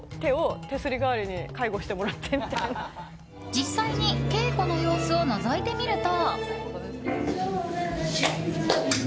実際に稽古の様子をのぞいてみると。